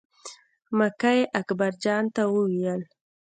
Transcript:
مکۍ اکبر جان ته وویل.